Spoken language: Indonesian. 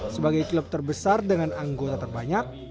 sebagai klub terbesar dengan anggota terbanyak